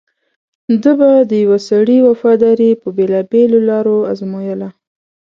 ده به د یوه سړي وفاداري په بېلابېلو لارو ازمویله.